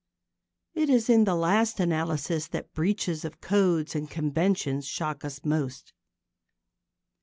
It is in the last analysis that breaches of codes and conventions shock us most.